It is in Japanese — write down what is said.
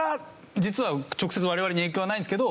実は直接我々に影響はないんですけど。